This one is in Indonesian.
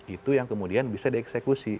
itu yang kemudian bisa dieksekusi